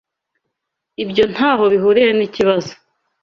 Ibyo ntaho bihuriye nikibazo.